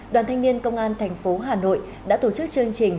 đoàn thanh niên công an thành phố hà nội đã tổ chức chương trình